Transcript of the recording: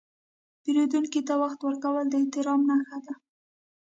پیرودونکي ته وخت ورکول د احترام نښه ده.